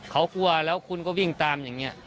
เขากลัวแล้วคุณก็วิ่งตามอย่างนี้